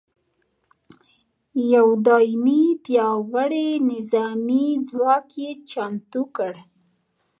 یو دایمي پیاوړي نظامي ځواک یې چمتو کړ.